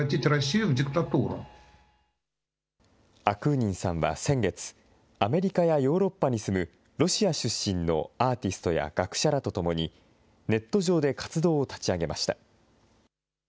アクーニンさんは先月、アメリカやヨーロッパに住むロシア出身のアーティストや学者らとともにネット上で活動を立ち上げました。